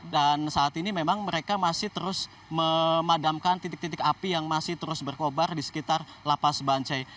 dan saat ini memang mereka masih terus memadamkan titik titik api yang masih terus berkorbar di sekitar lapas bancai